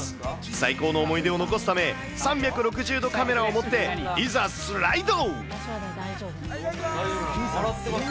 最高の思い出を残すため、３６０度カメラを持って、いざ、スライド。